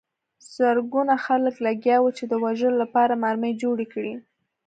زرګونه خلک لګیا وو چې د وژلو لپاره مرمۍ جوړې کړي